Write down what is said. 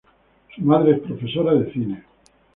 Su madre es profesora de cine.